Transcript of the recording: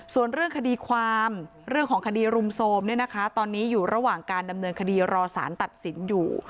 ส่วนเรื่องคดีความเรื่องของคดีรุมโทรมเนี่ยนะคะตอนนี้อยู่ระหว่างการดำเนินคดีรอสารตัดสินอยู่